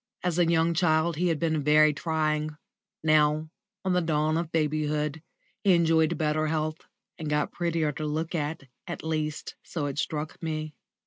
As a young child he had been very trying; now, on the dawn of babyhood, he enjoyed better health and got prettier to look at, at least, so it struck me.